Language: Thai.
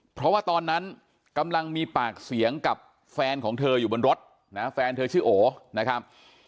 เพราะว่าตอนนั้นกำลังมีปากเสียงกับแฟนของเธออยู่บนรถนะแฟนเธอชื่อโอนะครับ